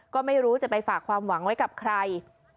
ก็ไม่รู้จะไปฝากความหวังไว้กับใคร